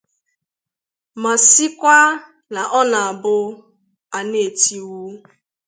ma sịkwa na ọ na-abụ a na-etiwu